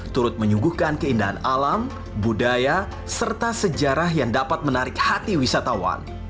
turut menyuguhkan keindahan alam budaya serta sejarah yang dapat menarik hati wisatawan